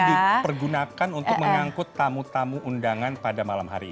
ini dipergunakan untuk mengangkut tamu tamu undangan pada malam hari ini